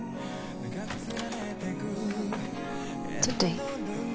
ちょっといい？